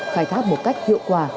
khai thác một cách hiệu quả